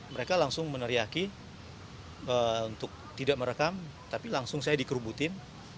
mereka langsung meneriaki untuk tidak merekam tapi langsung saya dikerubutin